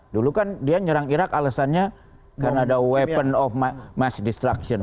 dulu kan dia nyerang irak alasannya karena ada weapon of mass destruction